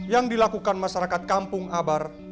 yang dilakukan masyarakat kampung abar